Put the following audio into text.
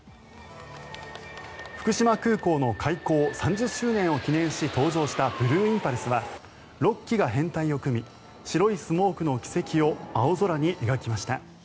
福島空港の開港３０周年を記念し登場したブルーインパルスは６機が編隊を組み白いスモークの軌跡を青空に描きました。